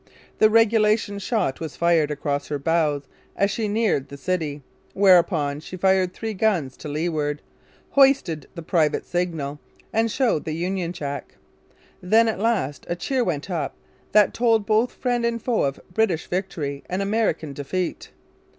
The regulation shot was fired across her bows as she neared the city; whereupon she fired three guns to leeward, hoisted the private signal, and showed the Union Jack. Then, at last, a cheer went up that told both friend and foe of British victory and American defeat.